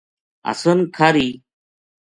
حسن کھاہری